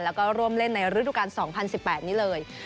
แล้วก็ร่วมเล่นในฤดูกาล๒๐๑๘นี้เลย